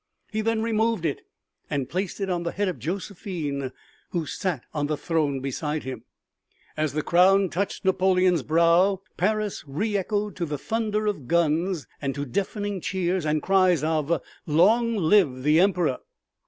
He then removed it and placed it on the head of Josephine who sat on the throne beside him. As the crown touched Napoleon's brow Paris reechoed to the thunder of guns and to deafening cheers and cries of "Long live the Emperor!"